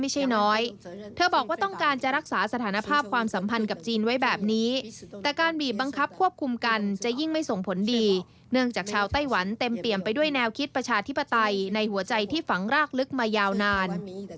จะเตรียมไปด้วยแนวคิดประชาธิปไตในหัวใจที่ฝังรากลึกมายาวนาน